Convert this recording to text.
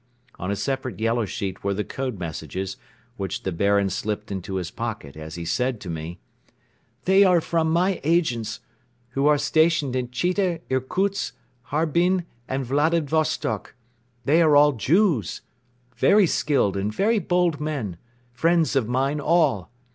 On a separate yellow sheet were the code messages, which the Baron slipped into his pocket as he said to me: "They are from my agents, who are stationed in Chita, Irkutsk, Harbin and Vladivostok. They are all Jews, very skilled and very bold men, friends of mine all.